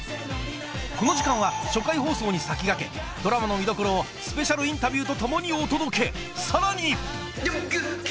この時間は初回放送に先駆けドラマの見どころをスペシャルインタビューとともにお届けさらに！